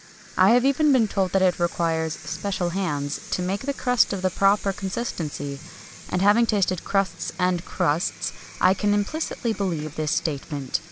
I have even been told that it requires "special hands" to make the crust of the proper consistency; and having tasted crusts and crusts, I can implicitly believe this statement.